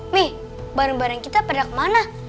nih barang barang kita pada kemana